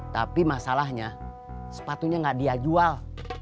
tapi masalahnya sepatunya gak diajual